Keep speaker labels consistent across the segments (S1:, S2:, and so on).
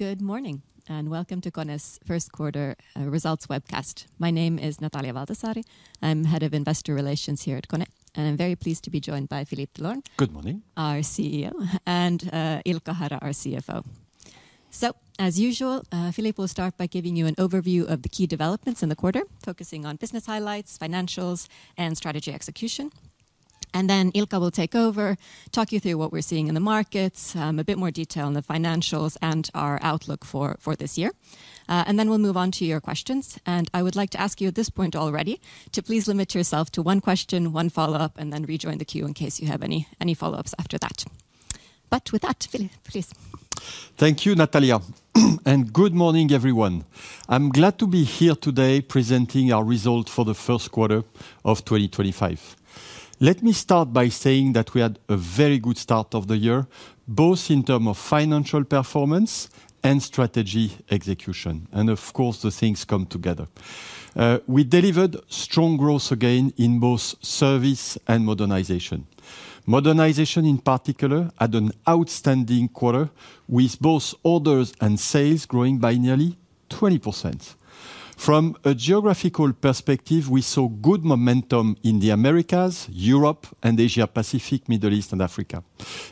S1: Good morning and welcome to KONE's Q1 results webcast. My name is Natalia Valtasaari. I'm Head of Investor Relations here at KONE, and I'm very pleased to be joined by Philippe Delorme.
S2: Good morning.
S3: Our CEO and Ilkka Hara, our CFO. As usual, Philippe will start by giving you an overview of the key developments in the quarter, focusing on business highlights, financials, and strategy execution. Ilkka will take over, talk you through what we're seeing in the markets, a bit more detail on the financials, and our outlook for this year. We will move on to your questions. I would like to ask you at this point already to please limit yourself to one question, one follow-up, and then rejoin the queue in case you have any follow-ups after that. With that, Philippe, please.
S2: Thank you, Natalia. Good morning, everyone. I'm glad to be here today presenting our results for the Q1 of 2025. Let me start by saying that we had a very good start of the year, both in terms of financial performance and strategy execution. Of course, the things come together. We delivered strong growth again in both service and modernization. Modernization, in particular, had an outstanding quarter, with both orders and sales growing by nearly 20%. From a geographical perspective, we saw good momentum in the Americas, Europe, and Asia-Pacific, Middle East, and Africa.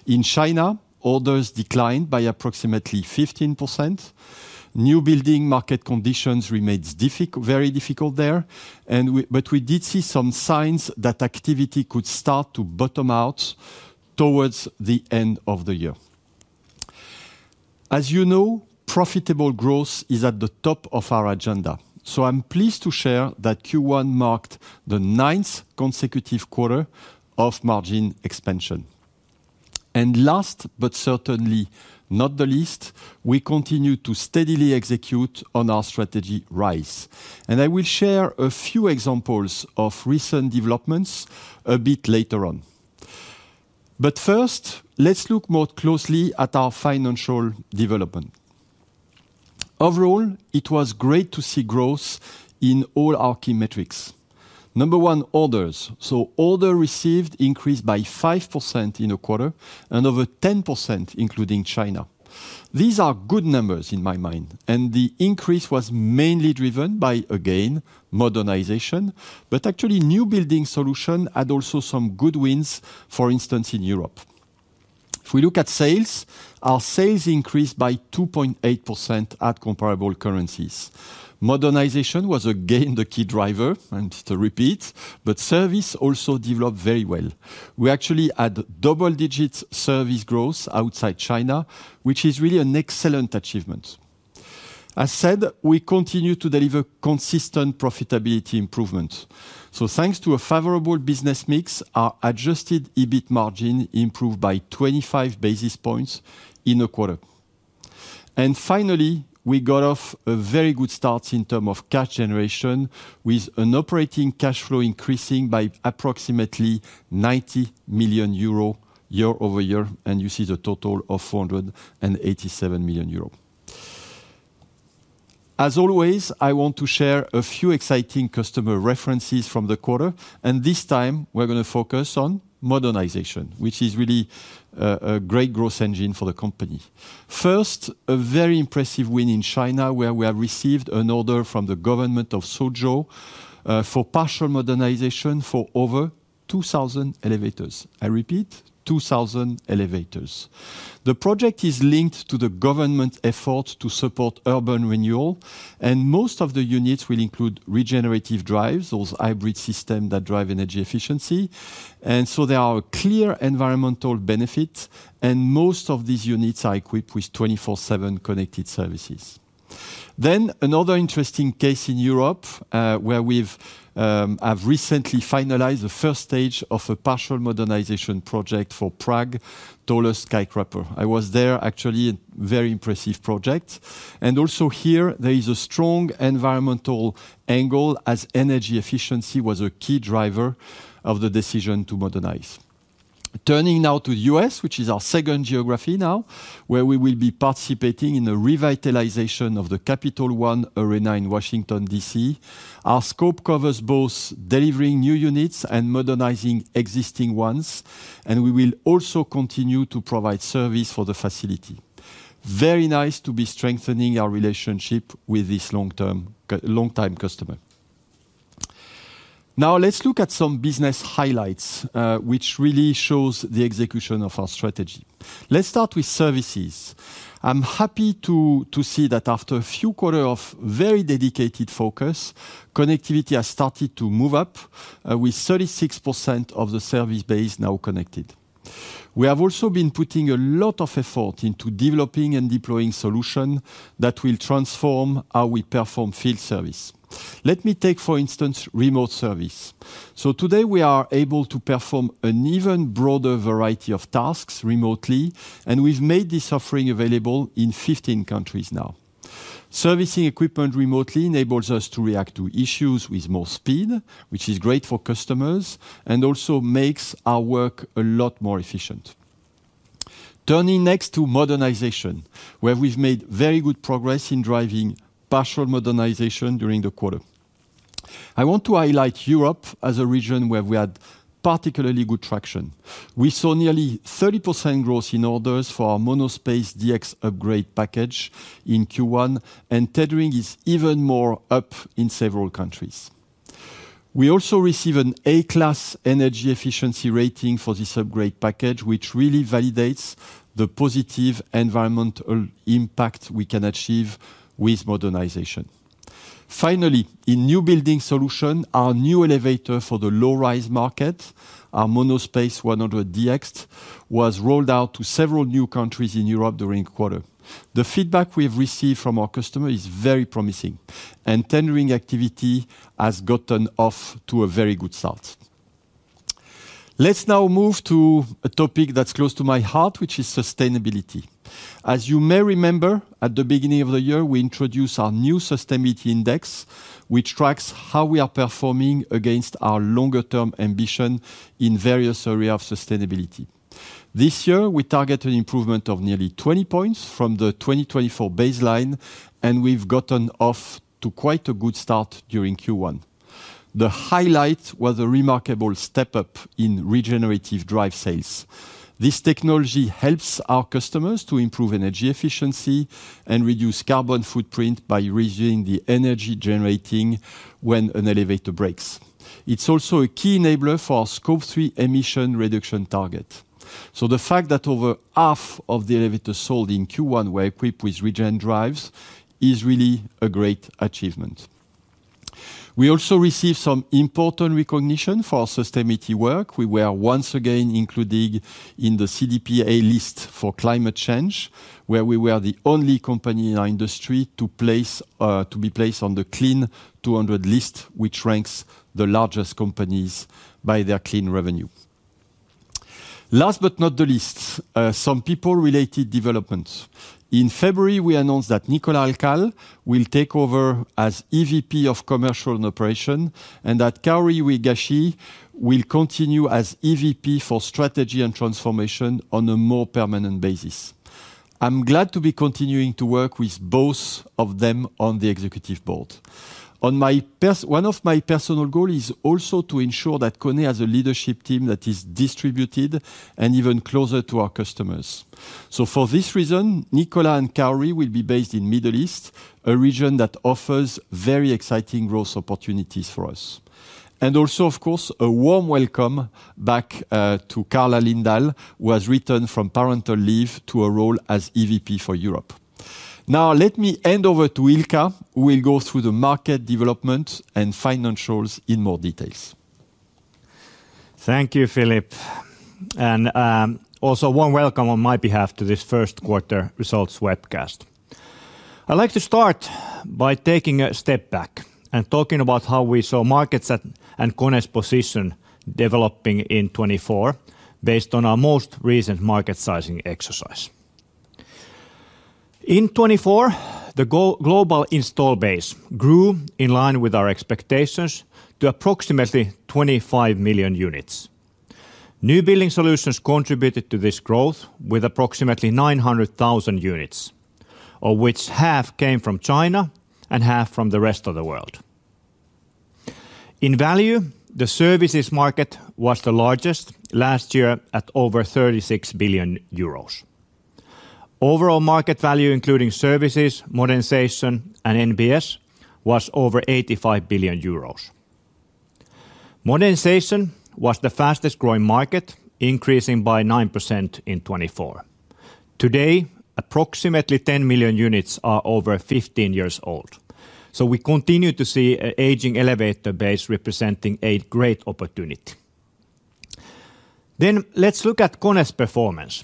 S2: In China, orders declined by approximately 15%. New building market conditions remained very difficult there, but we did see some signs that activity could start to bottom out towards the end of the year. As you know, profitable growth is at the top of our agenda. I'm pleased to share that Q1 marked the ninth consecutive quarter of margin expansion. Last but certainly not the least, we continue to steadily execute on our strategy Rise. I will share a few examples of recent developments a bit later on. First, let's look more closely at our financial development. Overall, it was great to see growth in all our key metrics. Number one, orders. Orders received increased by 5% in a quarter and over 10%, including China. These are good numbers in my mind. The increase was mainly driven by, again, modernization. Actually, new building solutions had also some good wins, for instance, in Europe. If we look at sales, our sales increased by 2.8% at comparable currencies. Modernization was again the key driver, and to repeat, but service also developed very well. We actually had double-digit service growth outside China, which is really an excellent achievement. As said, we continue to deliver consistent profitability improvements. Thanks to a favorable business mix, our adjusted EBIT margin improved by 25 basis points in a quarter. Finally, we got off a very good start in terms of cash generation, with an operating cash flow increasing by approximately 90 million euro year over year, and you see the total of 487 million euro. As always, I want to share a few exciting customer references from the quarter. This time, we're going to focus on modernization, which is really a great growth engine for the company. First, a very impressive win in China, where we have received an order from the government of Suzhou for partial modernization for over 2,000 elevators. I repeat, 2,000 elevators. The project is linked to the government's efforts to support urban renewal, and most of the units will include regenerative drives, those hybrid systems that drive energy efficiency. There are clear environmental benefits, and most of these units are equipped with 24/7 connected services. Another interesting case in Europe, where we have recently finalized the first stage of a partial modernization project for Prague Towers Skyscraper. I was there, actually, a very impressive project. Also here, there is a strong environmental angle as energy efficiency was a key driver of the decision to modernize. Turning now to the U.S., which is our second geography now, where we will be participating in the revitalization of the Capital One Arena in Washington, DC. Our scope covers both delivering new units and modernizing existing ones, and we will also continue to provide service for the facility. Very nice to be strengthening our relationship with this long-time customer. Now, let's look at some business highlights, which really shows the execution of our strategy. Let's start with services. I'm happy to see that after a few quarters of very dedicated focus, connectivity has started to move up, with 36% of the service base now connected. We have also been putting a lot of effort into developing and deploying solutions that will transform how we perform field service. Let me take, for instance, remote service. Today, we are able to perform an even broader variety of tasks remotely, and we've made this offering available in 15 countries now. Servicing equipment remotely enables us to react to issues with more speed, which is great for customers and also makes our work a lot more efficient. Turning next to modernization, where we've made very good progress in driving partial modernization during the quarter. I want to highlight Europe as a region where we had particularly good traction. We saw nearly 30% growth in orders for our MonoSpace DX upgrade package in Q1, and tendering is even more up in several countries. We also receive an A-class energy efficiency rating for this upgrade package, which really validates the positive environmental impact we can achieve with modernization. Finally, in new building solutions, our new elevator for the low-rise market, our MonoSpace 100 DX, was rolled out to several new countries in Europe during the quarter. The feedback we've received from our customers is very promising, and tendering activity has gotten off to a very good start. Let's now move to a topic that's close to my heart, which is sustainability. As you may remember, at the beginning of the year, we introduced our new sustainability index, which tracks how we are performing against our longer-term ambition in various areas of sustainability. This year, we targeted improvement of nearly 20 points from the 2024 baseline, and we've gotten off to quite a good start during Q1. The highlight was a remarkable step up in regenerative drive sales. This technology helps our customers to improve energy efficiency and reduce carbon footprint by reducing the energy generating when an elevator breaks. It's also a key enabler for our Scope 3 emission reduction target. The fact that over half of the elevators sold in Q1 were equipped with regen drives is really a great achievement. We also received some important recognition for our sustainability work. We were once again included in the CDP A List for climate change, where we were the only company in our industry to be placed on the Clean200 list, which ranks the largest companies by their clean revenue. Last but not the least, some people-related developments. In February, we announced that Nicolas Alchalel will take over as EVP of Commercial and Operations, and that Kaori Uehigashi will continue as EVP for Strategy and Transformation on a more permanent basis. I'm glad to be continuing to work with both of them on the executive board. One of my personal goals is also to ensure that KONE has a leadership team that is distributed and even closer to our customers. For this reason, Nicola and Kaori will be based in the Middle East, a region that offers very exciting growth opportunities for us. Also, of course, a warm welcome back to Karla Lindahl, who has returned from parental leave to a role as EVP for Europe. Now, let me hand over to Ilkka, who will go through the market developments and financials in more detail.
S4: Thank you, Philippe. Also, one welcome on my behalf to this Q1 results webcast. I'd like to start by taking a step back and talking about how we saw markets and KONE's position developing in 2024 based on our most recent market sizing exercise. In 2024, the global install base grew in line with our expectations to approximately 25 million units. New building solutions contributed to this growth with approximately 900,000 units, of which half came from China and half from the rest of the world. In value, the services market was the largest last year at over 36 billion euros. Overall market value, including services, modernization, and NBS, was over 85 billion euros. Modernization was the fastest-growing market, increasing by 9% in 2024. Today, approximately 10 million units are over 15 years old. We continue to see an aging elevator base representing a great opportunity. Let us look at KONE's performance.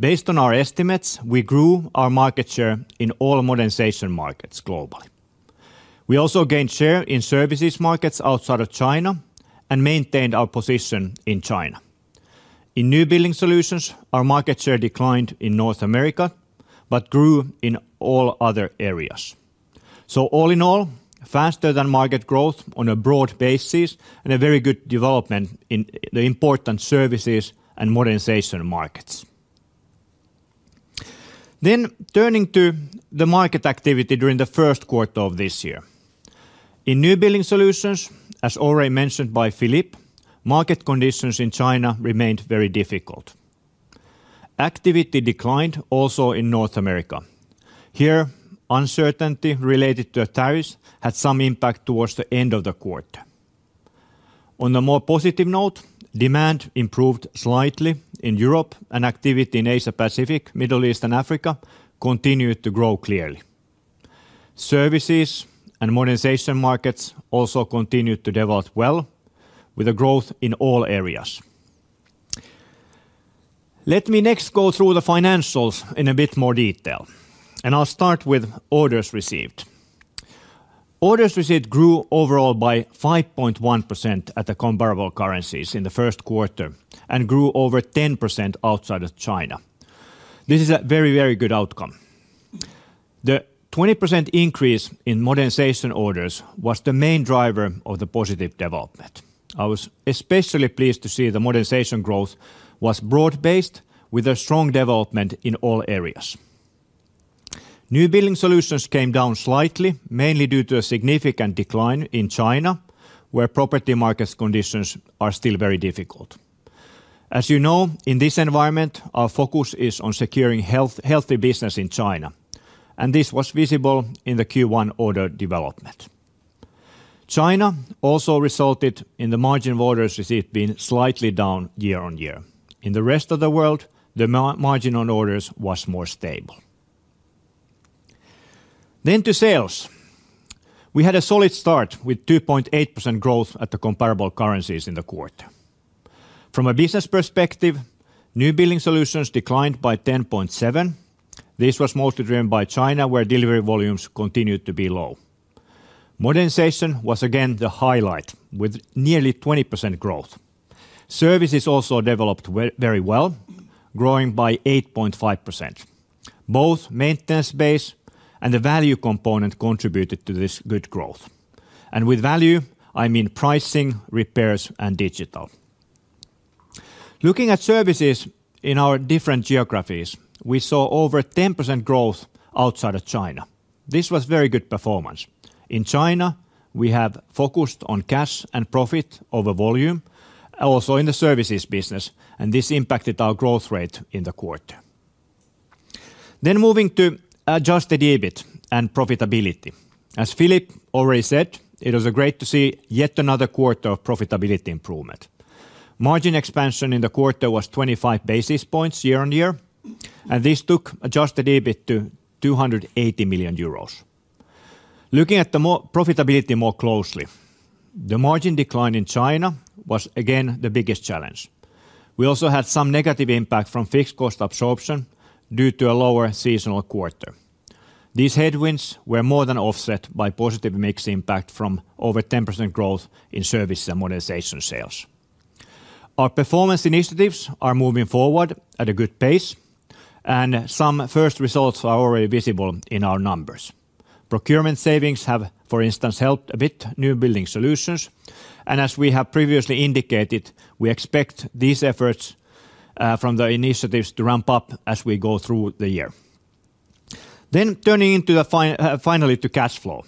S4: Based on our estimates, we grew our market share in all modernization markets globally. We also gained share in services markets outside of China and maintained our position in China. In new building solutions, our market share declined in North America but grew in all other areas. All in all, faster than market growth on a broad basis and a very good development in the important services and modernization markets. Turning to the market activity during the Q1 of this year, in new building solutions, as already mentioned by Philippe, market conditions in China remained very difficult. Activity declined also in North America. Here, uncertainty related to tariffs had some impact towards the end of the quarter. On a more positive note, demand improved slightly in Europe, and activity in Asia-Pacific, Middle East, and Africa continued to grow clearly. Services and modernization markets also continued to develop well, with a growth in all areas. Let me next go through the financials in a bit more detail, and I'll start with orders received. Orders received grew overall by 5.1% at the comparable currencies in the Q1 and grew over 10% outside of China. This is a very, very good outcome. The 20% increase in modernization orders was the main driver of the positive development. I was especially pleased to see the modernization growth was broad-based with a strong development in all areas. New building solutions came down slightly, mainly due to a significant decline in China, where property market conditions are still very difficult. As you know, in this environment, our focus is on securing healthy business in China, and this was visible in the Q1 order development. China also resulted in the margin of orders received being slightly down year on year. In the rest of the world, the margin on orders was more stable. To sales. We had a solid start with 2.8% growth at the comparable currencies in the quarter. From a business perspective, new building solutions declined by 10.7%. This was mostly driven by China, where delivery volumes continued to be low. Modernization was again the highlight with nearly 20% growth. Services also developed very well, growing by 8.5%. Both maintenance base and the value component contributed to this good growth. With value, I mean pricing, repairs, and digital. Looking at services in our different geographies, we saw over 10% growth outside of China. This was a very good performance. In China, we have focused on cash and profit over volume, also in the services business, and this impacted our growth rate in the quarter. Moving to adjusted EBIT and profitability. As Philippe already said, it was great to see yet another quarter of profitability improvement. Margin expansion in the quarter was 25 basis points year on year, and this took adjusted EBIT to 280 million euros. Looking at the profitability more closely, the margin decline in China was again the biggest challenge. We also had some negative impact from fixed cost absorption due to a lower seasonal quarter. These headwinds were more than offset by positive mix impact from over 10% growth in services and modernization sales. Our performance initiatives are moving forward at a good pace, and some first results are already visible in our numbers. Procurement savings have, for instance, helped a bit new building solutions, and as we have previously indicated, we expect these efforts from the initiatives to ramp up as we go through the year. Turning finally to cash flow.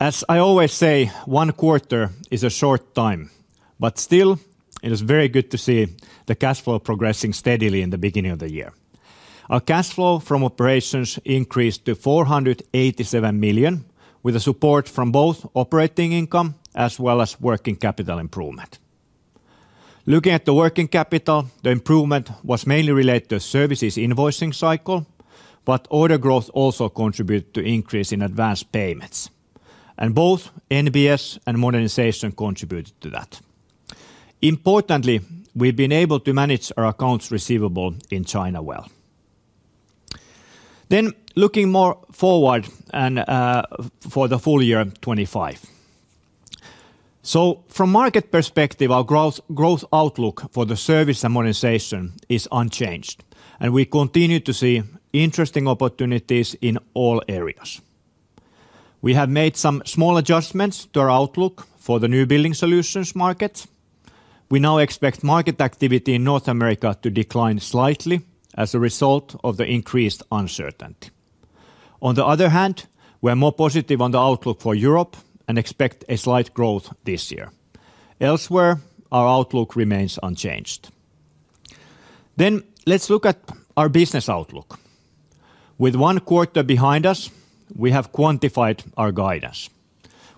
S4: As I always say, one quarter is a short time, but still, it is very good to see the cash flow progressing steadily in the beginning of the year. Our cash flow from operations increased to 487 million, with support from both operating income as well as working capital improvement. Looking at the working capital, the improvement was mainly related to a services invoicing cycle, but order growth also contributed to an increase in advance payments, and both NBS and modernization contributed to that. Importantly, we've been able to manage our accounts receivable in China well. Looking more forward for the full year 2025. From a market perspective, our growth outlook for the services and modernization is unchanged, and we continue to see interesting opportunities in all areas. We have made some small adjustments to our outlook for the new building solutions market. We now expect market activity in North America to decline slightly as a result of the increased uncertainty. On the other hand, we're more positive on the outlook for Europe and expect a slight growth this year. Elsewhere, our outlook remains unchanged. Let's look at our business outlook. With one quarter behind us, we have quantified our guidance.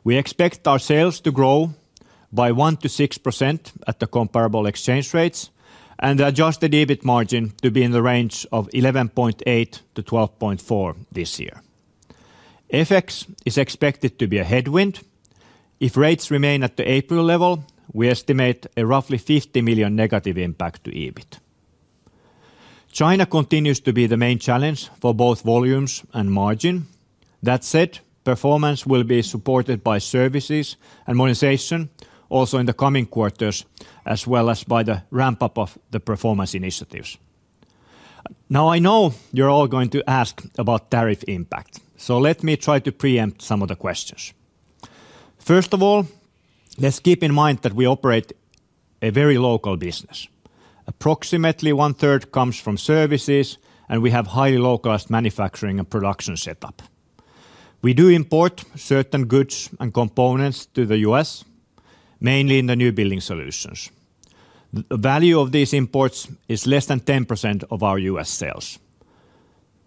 S4: We expect our sales to grow by 1%-6% at the comparable exchange rates and adjusted EBIT margin to be in the range of 11.8%-12.4% this year. FX is expected to be a headwind. If rates remain at the April level, we estimate a roughly €50 million negative impact to EBIT. China continues to be the main challenge for both volumes and margin. That said, performance will be supported by services and modernization also in the coming quarters, as well as by the ramp-up of the performance initiatives. Now, I know you're all going to ask about tariff impact, so let me try to preempt some of the questions. First of all, let's keep in mind that we operate a very local business. Approximately one-third comes from services, and we have highly localized manufacturing and production setup. We do import certain goods and components to the US, mainly in the new building solutions. The value of these imports is less than 10% of our US sales,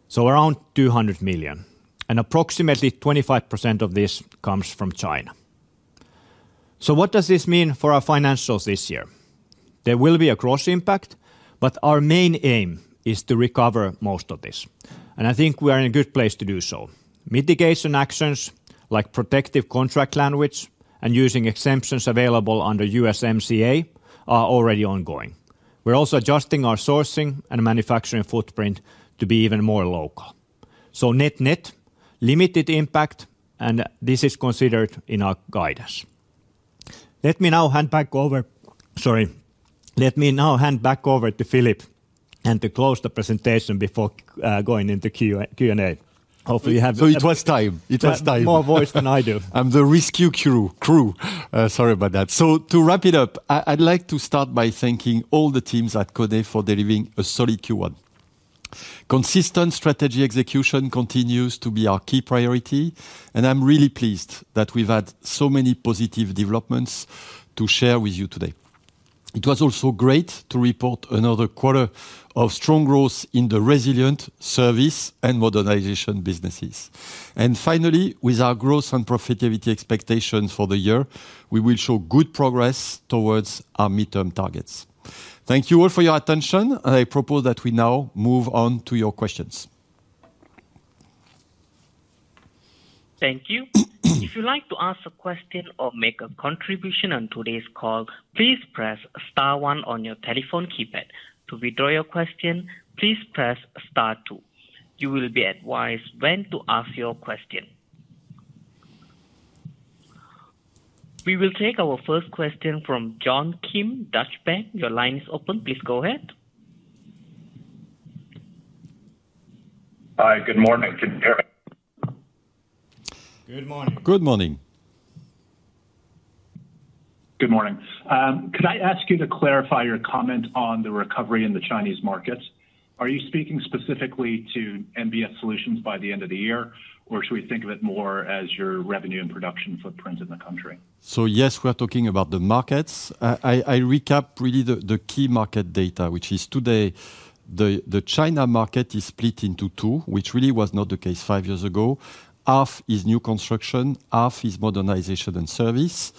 S4: so around $200 million, and approximately 25% of this comes from China. What does this mean for our financials this year? There will be a cross impact, but our main aim is to recover most of this, and I think we are in a good place to do so. Mitigation actions like protective contract language and using exemptions available under USMCA are already ongoing. We're also adjusting our sourcing and manufacturing footprint to be even more local. Net-net, limited impact, and this is considered in our guidance. Let me now hand back over to Philippe to close the presentation before going into Q&A. Hopefully, you have—
S2: It was time. It was time.
S4: You have more voice than I do.
S2: I'm the rescue crew. Sorry about that. To wrap it up, I'd like to start by thanking all the teams at KONE for delivering a solid Q1. Consistent strategy execution continues to be our key priority, and I'm really pleased that we've had so many positive developments to share with you today. It was also great to report another quarter of strong growth in the resilient service and modernization businesses. Finally, with our growth and profitability expectations for the year, we will show good progress towards our midterm targets. Thank you all for your attention, and I propose that we now move on to your questions.
S1: Thank you. If you'd like to ask a question or make a contribution on today's call, please press Star 1 on your telephone keypad. To withdraw your question, please press Star 2. You will be advised when to ask your question. We will take our first question from John Kim, Deutsche Bank. Your line is open. Please go ahead.
S5: Hi. Good morning. Good morning.
S2: Good morning.
S5: Good morning. Could I ask you to clarify your comment on the recovery in the Chinese markets? Are you speaking specifically to NBS solutions by the end of the year, or should we think of it more as your revenue and production footprint in the country?
S2: Yes, we are talking about the markets. I recap really the key market data, which is today the China market is split into two, which really was not the case five years ago. Half is new construction, half is modernization and service.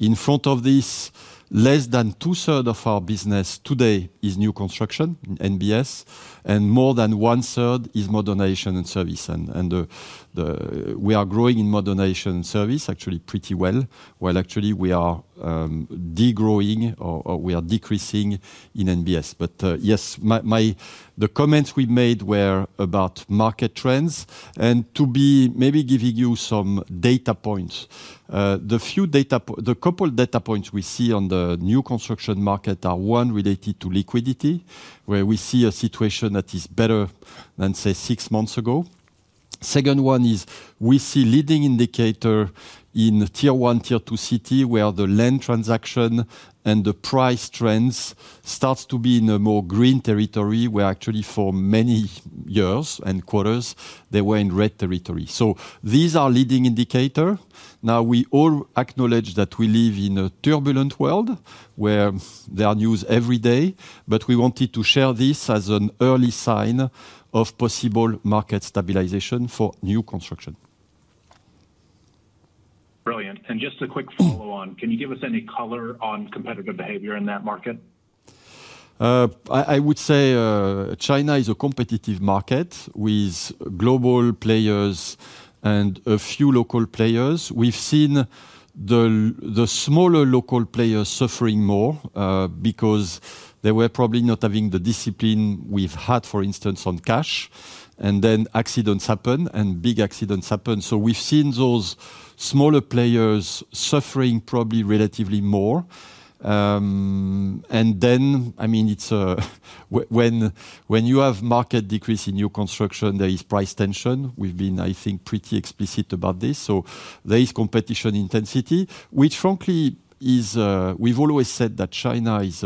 S2: In front of this, less than two-thirds of our business today is new construction, NBS, and more than one-third is modernization and service. We are growing in modernization and service actually pretty well, while actually we are degrowing or we are decreasing in NBS. Yes, the comments we made were about market trends. To be maybe giving you some data points, the few data, the couple of data points we see on the new construction market are one related to liquidity, where we see a situation that is better than, say, six months ago. Second one is we see leading indicator in Tier 1, Tier 2 cities, where the land transaction and the price trends start to be in a more green territory, where actually for many years and quarters, they were in red territory. These are leading indicators. Now, we all acknowledge that we live in a turbulent world where there are news every day, but we wanted to share this as an early sign of possible market stabilization for new construction.
S5: Brilliant. Just a quick follow-on, can you give us any color on competitive behavior in that market?
S2: I would say China is a competitive market with global players and a few local players. We've seen the smaller local players suffering more because they were probably not having the discipline we've had, for instance, on cash, and then accidents happen and big accidents happen. We've seen those smaller players suffering probably relatively more. I mean, when you have market decrease in new construction, there is price tension. We've been, I think, pretty explicit about this. There is competition intensity, which frankly is we've always said that China is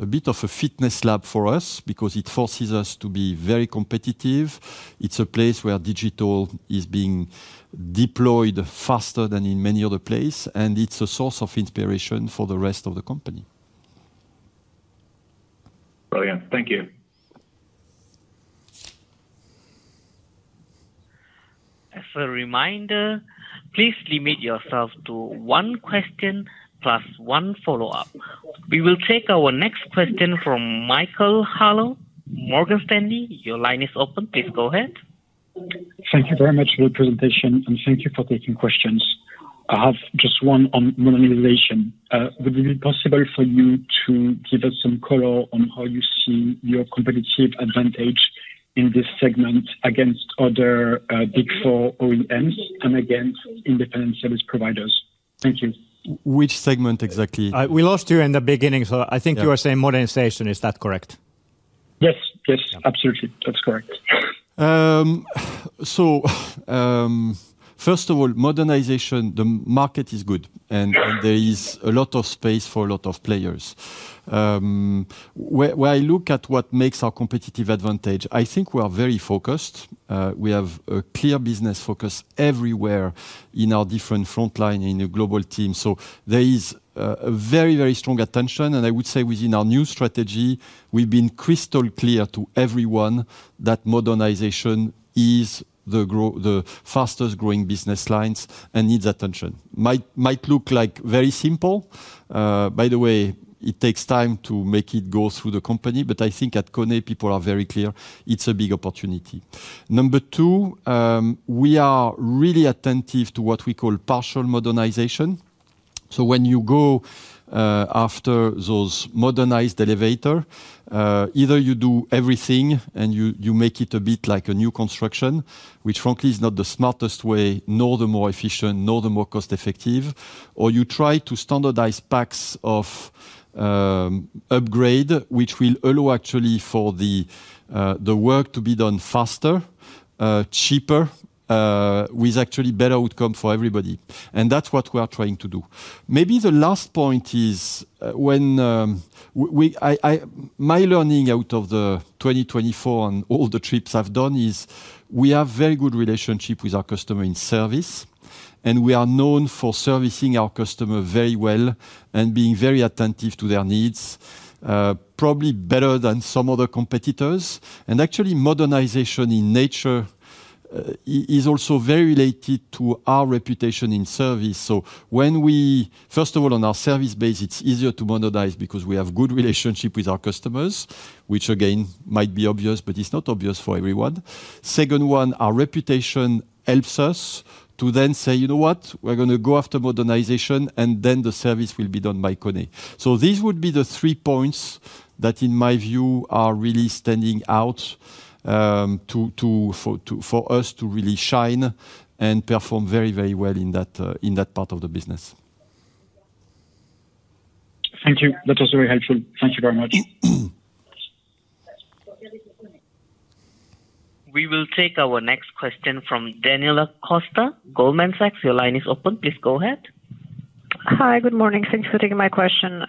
S2: a bit of a fitness lab for us because it forces us to be very competitive. It's a place where digital is being deployed faster than in many other places, and it's a source of inspiration for the rest of the company.
S5: Brilliant. Thank you.
S1: As a reminder, please limit yourself to one question plus one follow-up. We will take our next question from Michael Harleaux. Morgan Stanley, your line is open. Please go ahead.
S6: Thank you very much for the presentation, and thank you for taking questions. I have just one on modernization. Would it be possible for you to give us some color on how you see your competitive advantage in this segment against other Big Four OEMs and against independent service providers? Thank you.
S2: Which segment exactly?
S4: We lost you in the beginning, so I think you were saying modernization. Is that correct?
S6: Yes. Yes. Absolutely. That's correct.
S2: First of all, modernization, the market is good, and there is a lot of space for a lot of players. When I look at what makes our competitive advantage, I think we are very focused. We have a clear business focus everywhere in our different frontline in the global team. There is a very, very strong attention, and I would say within our new strategy, we've been crystal clear to everyone that modernization is the fastest growing business lines and needs attention. Might look like very simple. By the way, it takes time to make it go through the company, but I think at KONE, people are very clear it's a big opportunity. Number two, we are really attentive to what we call partial modernization. When you go after those modernized elevators, either you do everything and you make it a bit like a new construction, which frankly is not the smartest way, nor the more efficient, nor the more cost-effective, or you try to standardize packs of upgrade, which will allow actually for the work to be done faster, cheaper, with actually better outcome for everybody. That is what we are trying to do. Maybe the last point is my learning out of 2024 and all the trips I have done is we have a very good relationship with our customer in service, and we are known for servicing our customer very well and being very attentive to their needs, probably better than some other competitors. Actually, modernization in nature is also very related to our reputation in service. When we, first of all, on our service base, it's easier to modernize because we have a good relationship with our customers, which again might be obvious, but it's not obvious for everyone. The second one, our reputation helps us to then say, you know what, we're going to go after modernization, and then the service will be done by KONE. These would be the three points that in my view are really standing out for us to really shine and perform very, very well in that part of the business.
S6: Thank you. That was very helpful. Thank you very much.
S1: We will take our next question from Daniela Costa, Goldman Sachs. Your line is open. Please go ahead.
S7: Hi. Good morning. Thanks for taking my question.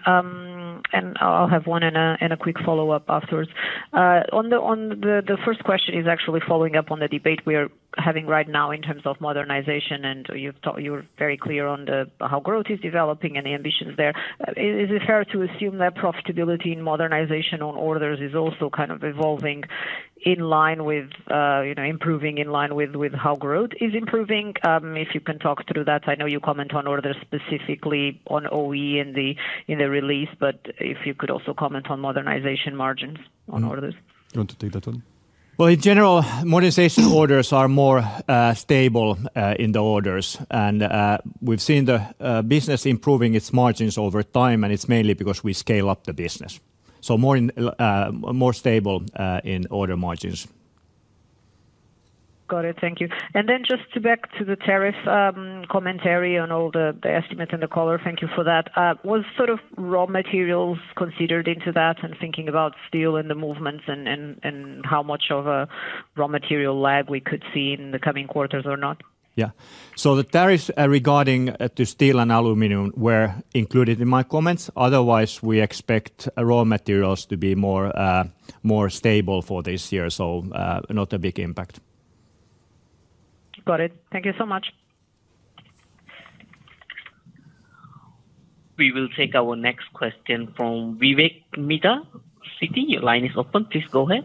S7: I'll have one and a quick follow-up afterwards. The first question is actually following up on the debate we are having right now in terms of modernization, and you were very clear on how growth is developing and the ambitions there. Is it fair to assume that profitability in modernization on orders is also kind of evolving in line with improving in line with how growth is improving? If you can talk through that. I know you comment on orders specifically on OE in the release, but if you could also comment on modernization margins on orders.
S2: You want to take that one?
S4: In general, modernization orders are more stable in the orders, and we've seen the business improving its margins over time, and it's mainly because we scale up the business. So more stable in order margins.
S7: Got it. Thank you. Just back to the tariff commentary on all the estimates and the color. Thank you for that. Was sort of raw materials considered into that and thinking about steel and the movements and how much of a raw material lag we could see in the coming quarters or not?
S4: Yeah. The tariff regarding steel and aluminum were included in my comments. Otherwise, we expect raw materials to be more stable for this year, so not a big impact.
S7: Got it. Thank you so much.
S1: We will take our next question from Vivek Midha, Citi. Your line is open. Please go ahead.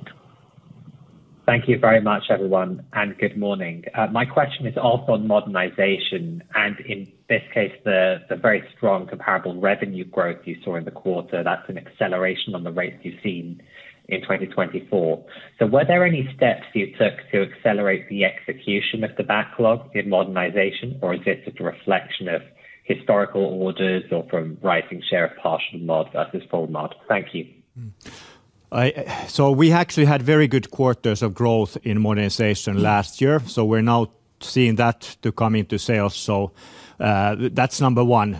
S8: Thank you very much, everyone, and good morning. My question is also on modernization and in this case, the very strong comparable revenue growth you saw in the quarter. That is an acceleration on the rates you have seen in 2024. Were there any steps you took to accelerate the execution of the backlog in modernization, or is this just a reflection of historical orders or from rising share of partial mod versus full mod? Thank you.
S4: We actually had very good quarters of growth in modernization last year, so we're now seeing that to come into sales. That's number one.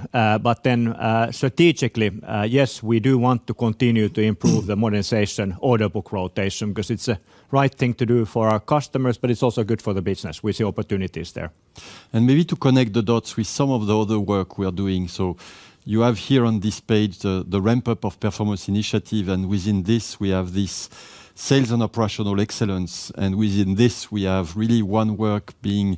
S4: Strategically, yes, we do want to continue to improve the modernization order book rotation because it's the right thing to do for our customers, but it's also good for the business. We see opportunities there.
S2: Maybe to connect the dots with some of the other work we are doing. You have here on this page the ramp-up of performance initiative, and within this, we have this sales and operational excellence. Within this, we have really one work being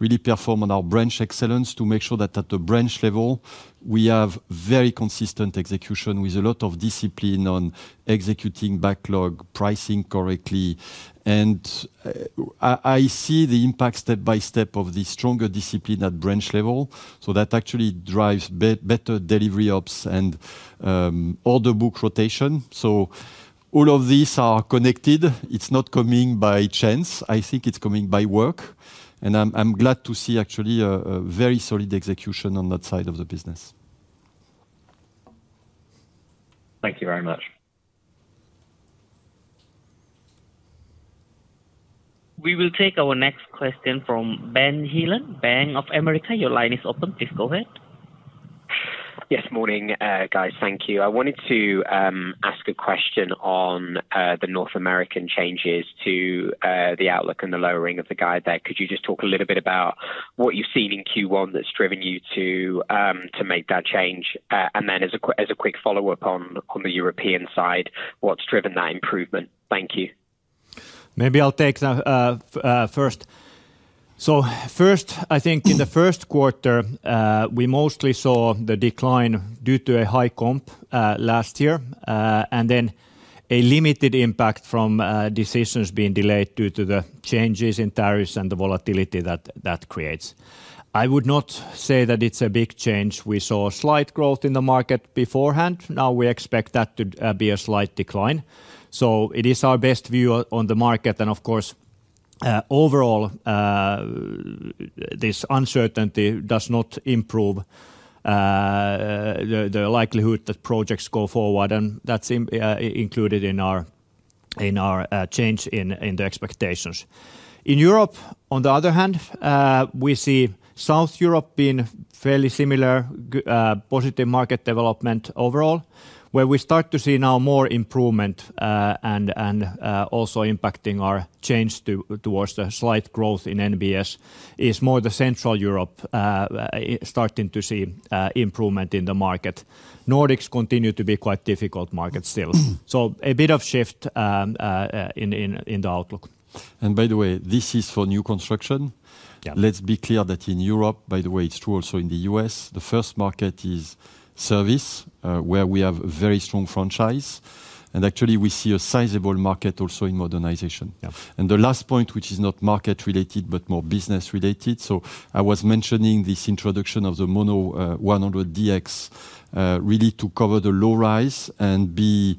S2: really performed on our branch excellence to make sure that at the branch level, we have very consistent execution with a lot of discipline on executing backlog, pricing correctly. I see the impact step by step of the stronger discipline at branch level. That actually drives better delivery ops and order book rotation. All of these are connected. It's not coming by chance. I think it's coming by work. I'm glad to see actually a very solid execution on that side of the business.
S8: Thank you very much.
S1: We will take our next question from Benjamin jamin Heelan, Bank of America. Your line is open. Please go ahead.
S9: Yes. Morning, guys. Thank you. I wanted to ask a question on the North American changes to the outlook and the lowering of the guide there. Could you just talk a little bit about what you've seen in Q1 that's driven you to make that change? As a quick follow-up on the European side, what's driven that improvement? Thank you.
S4: Maybe I'll take that first. First, I think in the Q1, we mostly saw the decline due to a high comp last year and then a limited impact from decisions being delayed due to the changes in tariffs and the volatility that that creates. I would not say that it's a big change. We saw a slight growth in the market beforehand. Now we expect that to be a slight decline. It is our best view on the market. Of course, overall, this uncertainty does not improve the likelihood that projects go forward, and that's included in our change in the expectations. In Europe, on the other hand, we see South Europe being fairly similar, positive market development overall, where we start to see now more improvement and also impacting our change towards a slight growth in NBS. It's more the Central Europe starting to see improvement in the market. Nordics continue to be quite difficult markets still. A bit of shift in the outlook.
S2: By the way, this is for new construction. Let's be clear that in Europe, by the way, it's true also in the U.S. The first market is service, where we have a very strong franchise. Actually, we see a sizable market also in modernization. The last point, which is not market-related, but more business-related. I was mentioning this introduction of the Monospace 100 DX really to cover the low rise and be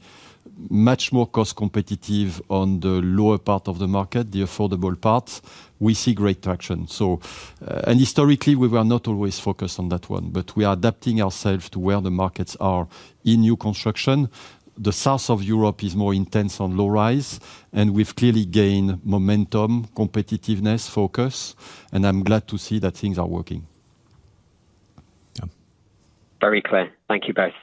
S2: much more cost-competitive on the lower part of the market, the affordable part. We see great traction. Historically, we were not always focused on that one, but we are adapting ourselves to where the markets are in new construction. The south of Europe is more intense on low rise, and we've clearly gained momentum, competitiveness, focus, and I'm glad to see that things are working.
S9: Very clear. Thank you both.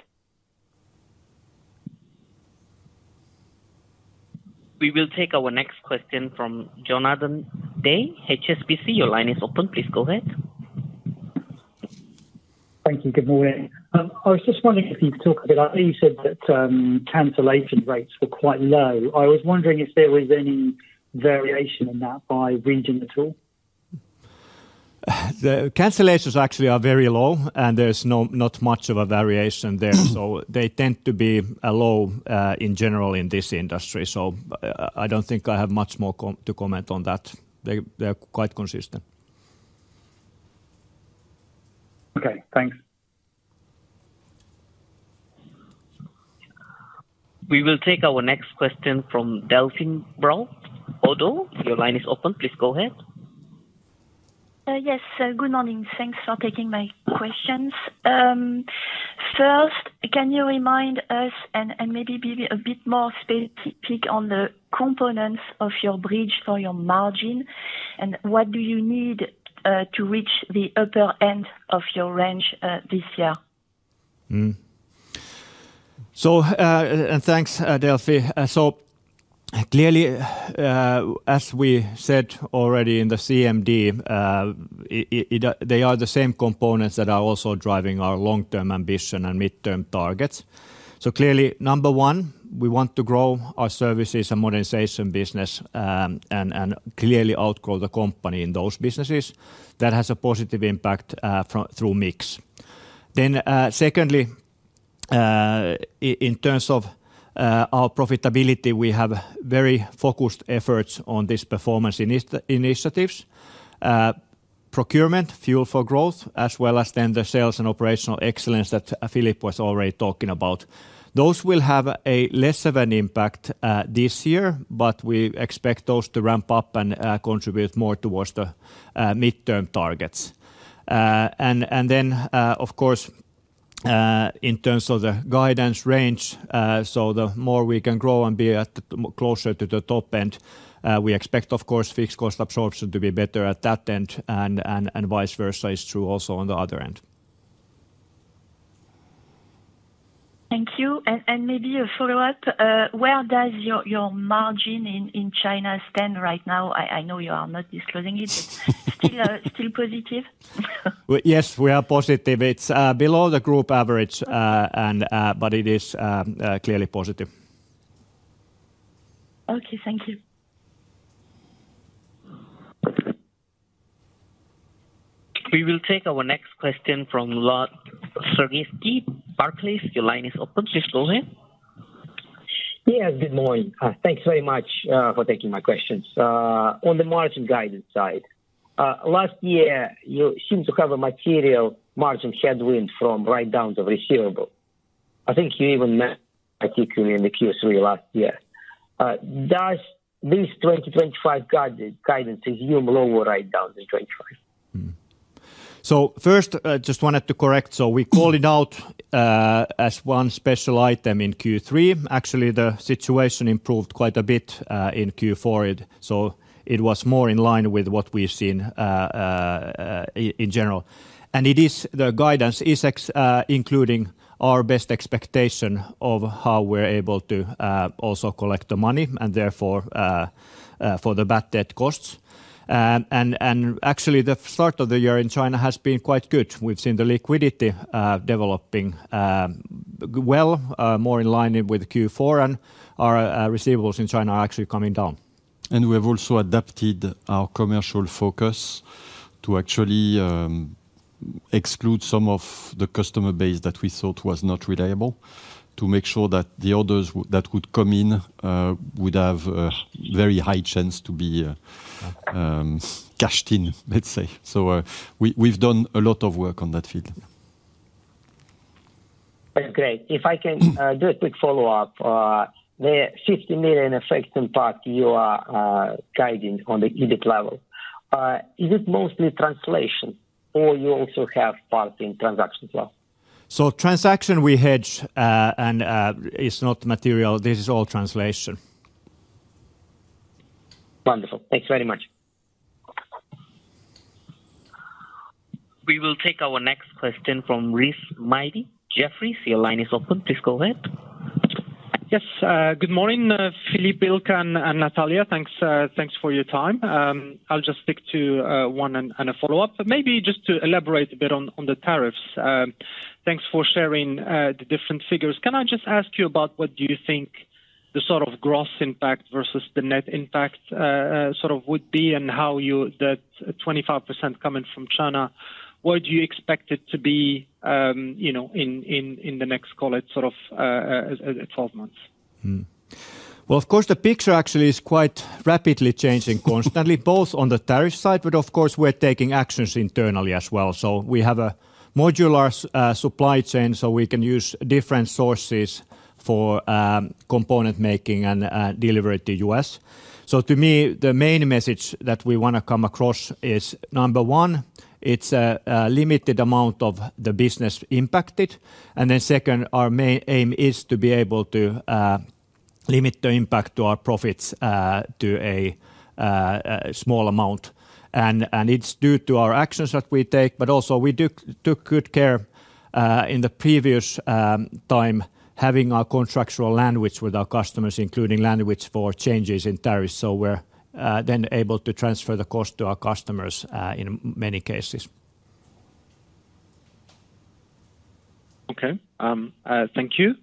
S1: We will take our next question from Jonathan Day, HSBC. Your line is open. Please go ahead.
S10: Thank you. Good morning. I was just wondering if you could talk a bit about you said that cancellation rates were quite low. I was wondering if there was any variation in that by region at all.
S4: The cancellations actually are very low, and there's not much of a variation there. They tend to be low in general in this industry. I don't think I have much more to comment on that. They're quite consistent.
S10: Okay. Thanks.
S1: We will take our next question from Delphine brault. ODDO BHF, your line is open. Please go ahead.
S11: Yes. Good morning. Thanks for taking my questions. First, can you remind us and maybe be a bit more specific on the components of your bridge for your margin and what do you need to reach the upper end of your range this year?
S4: Thanks, Delphine. Clearly, as we said already in the CMD, they are the same components that are also driving our long-term ambition and mid-term targets. Clearly, number one, we want to grow our services and modernization business and clearly outgrow the company in those businesses. That has a positive impact through mix. Secondly, in terms of our profitability, we have very focused efforts on these performance initiatives. Procurement, fuel for growth, as well as the sales and operational excellence that Philippe was already talking about. Those will have a lesser impact this year, but we expect those to ramp up and contribute more towards the mid-term targets. Of course, in terms of the guidance range, the more we can grow and be closer to the top end, we expect, of course, fixed cost absorption to be better at that end and vice versa is true also on the other end.
S11: Thank you. Maybe a follow-up. Where does your margin in China stand right now? I know you are not disclosing it, but still positive?
S4: Yes, we are positive. It's below the group average, but it is clearly positive.
S11: Okay. Thank you.
S1: We will take our next question fromVlad Sergievskii Barclays. Your line is open. Please go ahead.
S12: Yes. Good morning. Thanks very much for taking my questions. On the margin guidance side, last year, you seem to have a material margin headwind from write-downs of receivable. I think you even mentioned it in the Q3 last year. Does this 2025 guidance resume lower write-downs in 2025?
S4: First, I just wanted to correct. We called it out as one special item in Q3. Actually, the situation improved quite a bit in Q4. It was more in line with what we've seen in general. The guidance is including our best expectation of how we're able to also collect the money and therefore for the bad debt costs. Actually, the start of the year in China has been quite good. We've seen the liquidity developing well, more in line with Q4, and our receivables in China are actually coming down.
S2: We have also adapted our commercial focus to actually exclude some of the customer base that we thought was not reliable to make sure that the orders that would come in would have a very high chance to be cashed in, let's say. We have done a lot of work on that field.
S12: That's great. If I can do a quick follow-up, the 50 million effects impact you are guiding on the EBIT level. Is it mostly translation, or you also have part in transaction flow?
S4: Transaction we hedge, and it's not material. This is all translation.
S12: Wonderful. Thanks very much.
S1: We will take our next question Rizk Maidi, Jefferies. Your line is open. Please go ahead.
S13: Yes. Good morning, Philippe, Ilkka, and Natalia. Thanks for your time. I'll just stick to one and a follow-up. Maybe just to elaborate a bit on the tariffs. Thanks for sharing the different figures. Can I just ask you about what do you think the sort of gross impact versus the net impact sort of would be and how that 25% coming from China, where do you expect it to be in the next, call it, sort of 12 months?
S4: Of course, the picture actually is quite rapidly changing constantly, both on the tariff side, but of course, we're taking actions internally as well. We have a modular supply chain, so we can use different sources for component making and delivery to the US. To me, the main message that we want to come across is, number one, it's a limited amount of the business impacted. Second, our main aim is to be able to limit the impact to our profits to a small amount. It's due to our actions that we take, but also we took good care in the previous time having our contractual language with our customers, including language for changes in tariffs. We're then able to transfer the cost to our customers in many cases.
S13: Okay. Thank you.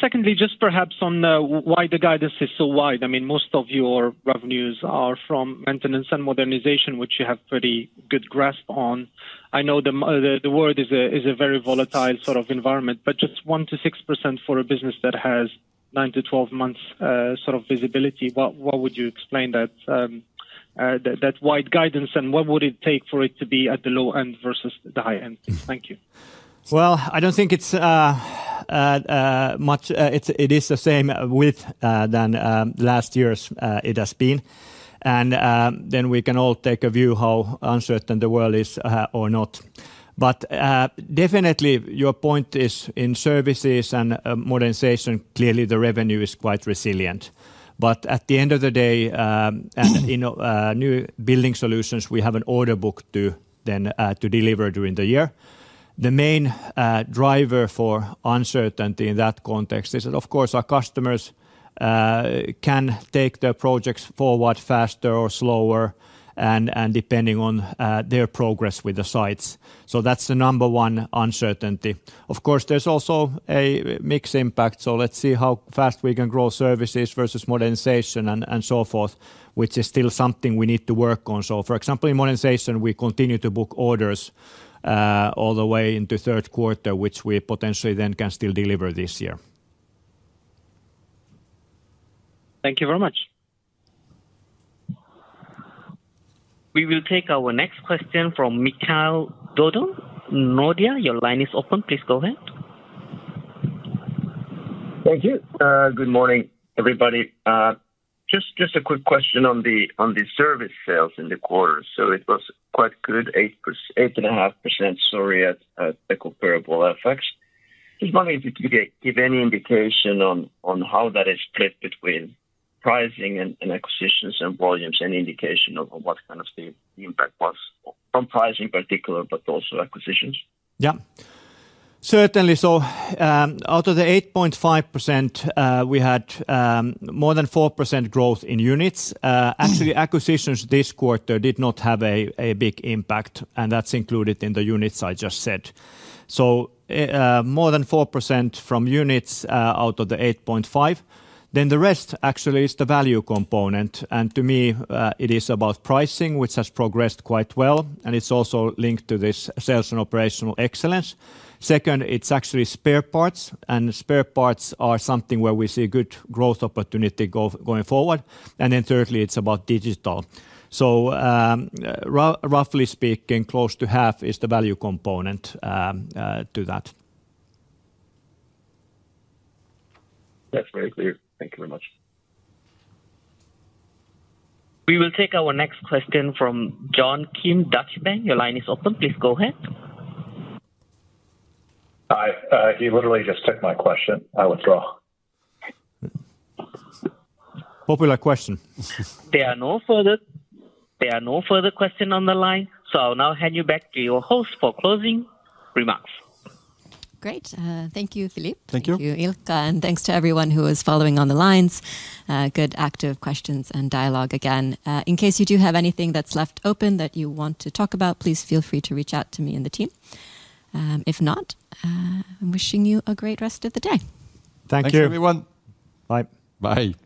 S13: Secondly, just perhaps on why the guidance is so wide. I mean, most of your revenues are from maintenance and modernization, which you have pretty good grasp on. I know the world is a very volatile sort of environment, but just 1-6% for a business that has 9-12 months sort of visibility. What would you explain that wide guidance, and what would it take for it to be at the low end versus the high end? Thank you.
S4: I do not think it is much. It is the same width as last year's it has been. We can all take a view how uncertain the world is or not. Definitely, your point is in services and modernization, clearly the revenue is quite resilient. At the end of the day, in new building solutions, we have an order book to then deliver during the year. The main driver for uncertainty in that context is that, of course, our customers can take their projects forward faster or slower depending on their progress with the sites. That is the number one uncertainty. Of course, there is also a mixed impact. Let us see how fast we can grow services versus modernization and so forth, which is still something we need to work on. For example, in modernization, we continue to book orders all the way into Q3, which we potentially then can still deliver this year.
S13: Thank you very much.
S1: We will take our next question from Mikael Doepel. Nordea, your line is open. Please go ahead.
S14: Thank you. Good morning, everybody. Just a quick question on the service sales in the quarter. It was quite good, 8.5% at the comparable effects. Just wanted to give any indication on how that is split between pricing and acquisitions and volumes, any indication of what kind of the impact was on pricing in particular, but also acquisitions?
S4: Yeah. Certainly. Out of the 8.5%, we had more than 4% growth in units. Actually, acquisitions this quarter did not have a big impact, and that's included in the units I just said. More than 4% from units out of the 8.5%. The rest actually is the value component. To me, it is about pricing, which has progressed quite well, and it is also linked to this sales and operational excellence. Second, it is actually spare parts. Spare parts are something where we see good growth opportunity going forward. Thirdly, it is about digital. Roughly speaking, close to half is the value component to that.
S2: That's very clear. Thank you very much.
S1: We will take our next question from John Kim, Deutsche Bank. Your line is open. Please go ahead.
S2: Hi. He literally just took my question. I withdraw.
S4: Popular question.
S1: There are no further questions on the line. I'll now hand you back to your host for closing remarks.
S3: Great. Thank you, Philippe.
S8: Thank you.
S3: Thank you, Ilkka. Thank you to everyone who is following on the lines. Good, active questions and dialogue again. In case you do have anything that's left open that you want to talk about, please feel free to reach out to me and the team. If not, I'm wishing you a great rest of the day.
S4: Thank you.
S2: Thanks, everyone. Bye.
S4: Bye.